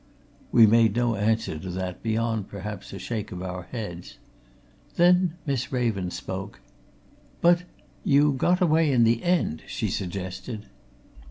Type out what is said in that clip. We made no answer to that beyond, perhaps, a shake of our heads. Then Miss Raven spoke. "But you got away, in the end?" she suggested.